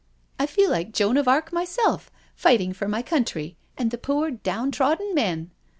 I feel like Joan of Arc myself, fighting for my country and the poor downtrodden men."